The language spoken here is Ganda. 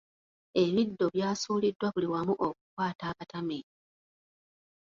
Ebiddo by’asuuliddwa buli wamu okukwata abatamiivu.